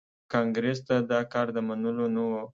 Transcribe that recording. کانګریس ته دا کار د منلو نه و.